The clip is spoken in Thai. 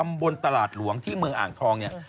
บนตลาดหลวงที่เมืองอ่างทองเนี่ย